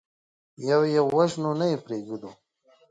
يو يو وژنو، نه يې پرېږدو.